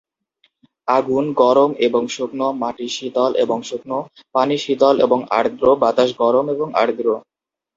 আগুন গরম এবং শুকনো, মাটি শীতল এবং শুকনো, পানি শীতল এবং আর্দ্র, বাতাস গরম এবং আর্দ্র।